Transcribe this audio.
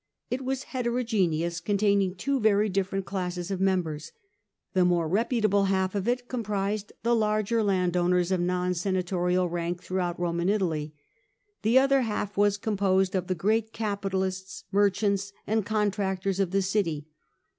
It was heterogeneous, containing two very different classes of members. The more reputable half of it comprised tbe larger landowners of non senatorial rank throughout Roman Italy. The other half was composed of the great capitalists, merchants, and contractors of the city.